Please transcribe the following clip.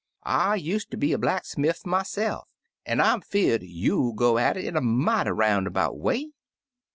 I use ter be a blacksmiff myse'f, an' I 'm 'fear'd you go at It in a mighty 'roun' about way.